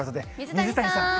水谷さーん。